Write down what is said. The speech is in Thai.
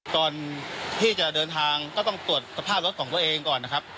ก่อนที่จะเดินทางก็ต้องตรวจสภาพรถของตัวเองก่อนนะครับ